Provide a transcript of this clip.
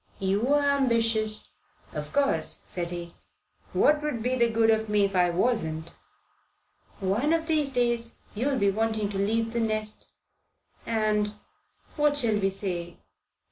"You're ambitious." "Of course," said he. "What would be the good of me if I wasn't?" "One of these days you'll be wanting to leave the nest and what shall we say?